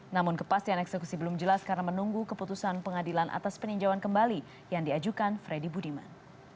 namun kepastian eksekusi belum jelas karena menunggu keputusan pengadilan atas peninjauan kembali yang diajukan freddy budiman